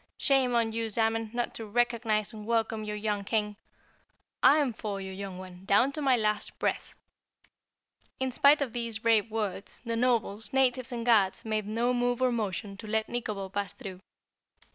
Shame on you, Zamen, not to recognize and welcome your young King. I'm for you, young one, down to my last breath!" In spite of these brave words, the nobles, natives and guards made no move or motion to let Nikobo pass through.